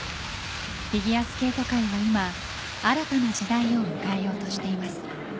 フィギュアスケート界は今新たな時代を迎えようとしています。